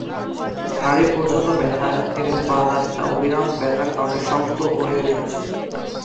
ঘাড়ে প্রচণ্ড ব্যথা এবং বাঁ হাতটা অবিরাম ব্যথার কারণে শক্ত হয়ে উঠেছে।